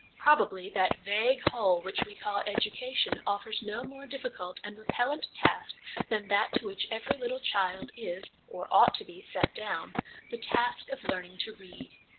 Probably that vague whole which we call ' Education ' offers no more difficult and repellent task than that to which every little child is (or ought to be) set down the task of learning to read.